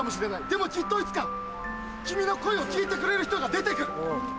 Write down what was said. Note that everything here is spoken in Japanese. でもきっといつか君の声を聞いてくれる人が出てくる。